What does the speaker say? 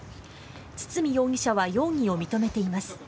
堤容疑者は容疑を認めています。